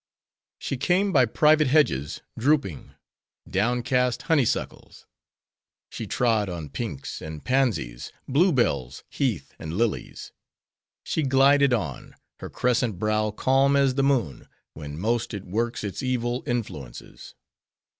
She came by privet hedges, drooping; downcast honey suckles; she trod on pinks and pansies, blue bells, heath, and lilies. She glided on: her crescent brow calm as the moon, when most it works its evil influences.